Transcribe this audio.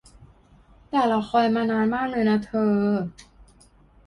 แต่เราคอยล์มานานมากเลยนะเธอ